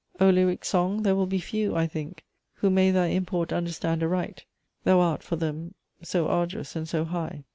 "O lyric song, there will be few, I think, Who may thy import understand aright: Thou art for them so arduous and so high!"